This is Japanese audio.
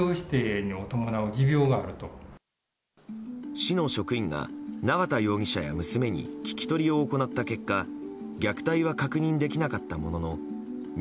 市の職員が縄田容疑者や娘に聞き取りを行った結果虐待は確認できなかったものの見